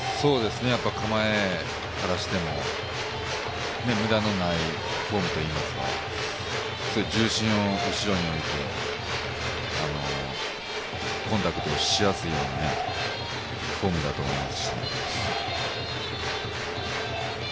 構えからしても、無駄のないフォームといいますか、重心を後ろに置いて、コンタクトしやすいフォームだと思います。